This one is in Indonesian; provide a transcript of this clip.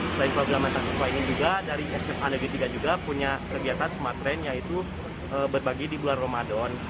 selain program mental siswa ini juga dari sma negeri tiga juga punya kegiatan smart train yaitu berbagi di bulan ramadan